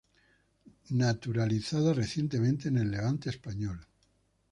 Naturalizada recientemente en el Levante español.